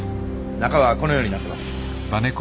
中はこのようになってます。